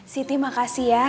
siti makasih ya